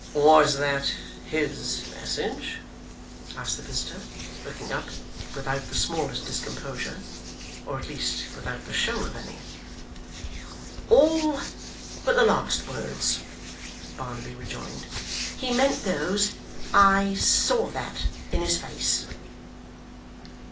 'Was that his message?' asked the visitor, looking up, but without the smallest discomposure or at least without the show of any. 'All but the last words,' Barnaby rejoined. 'He meant those. I saw that, in his face.